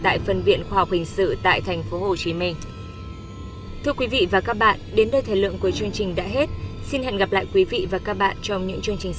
tại phân viện khoa học hình sự tại thành phố hồ chí minh